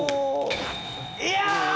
いや！